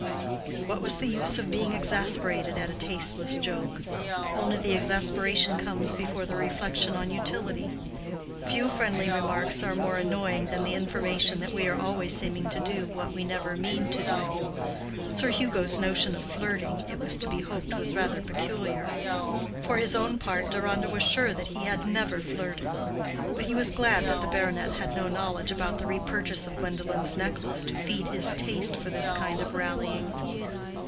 What was the use of being exasperated at a tasteless joke?—only the exasperation comes before the reflection on utility. Few friendly remarks are more annoying than the information that we are always seeming to do what we never mean to do. Sir Hugo's notion of flirting, it was to be hoped, was rather peculiar; for his own part, Deronda was sure that he had never flirted. But he was glad that the baronet had no knowledge about the repurchase of Gwendolen's necklace to feed his taste for this kind of rallying.